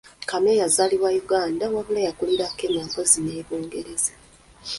Kamya yazaalibwa Uganda wabula yakulira Kenya mpozi ne Bungereza